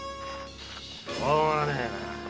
しょうがねえ。